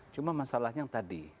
cuma masalahnya yang tadi